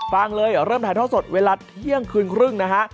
ฟังเลยเริ่มถ่ายท่อสดเวลาเที่ยงคืนครึ่งนะฮะ